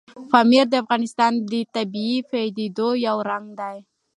پامیر د افغانستان د طبیعي پدیدو یو رنګ دی.